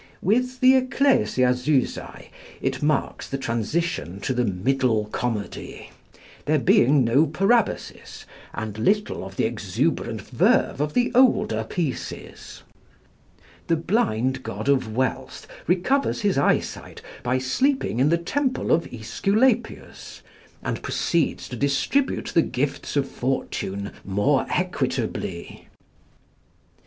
With the 'Ecclesiazusæ' it marks the transition to the Middle Comedy, there being no parabasis, and little of the exuberant verve of the older pieces. The blind god of Wealth recovers his eyesight by sleeping in the temple of Æsculapius, and proceeds to distribute the gifts of fortune more equitably.